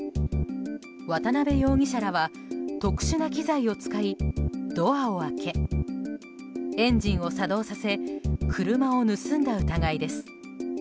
渡邉容疑者らは特殊な機材を使いドアを開け、エンジンを作動させ車を盗んだ疑いです。